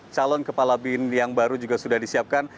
calon kepala bin yang baru juga sudah disiapkan